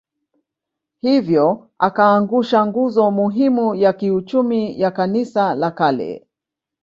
Hivyo akaangusha nguzo muhimu ya kiuchumi ya Kanisa la kale